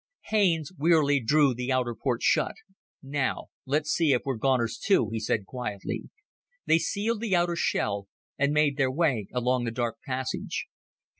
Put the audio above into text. Haines wearily drew the outer port shut. "Now, let's see if we're goners, too," he said quietly. They sealed the outer shell and made their way along the dark passage.